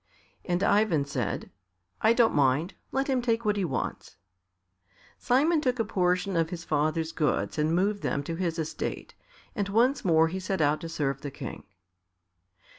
And Ivan said, "I don't mind; let him take what he wants." Simon took a portion of his father's goods and moved them to his estate, and once more he set out to serve the King.